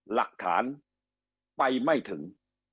หลักฐานไปไม่ถึง